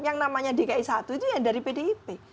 yang namanya dki satu itu yang dari pdip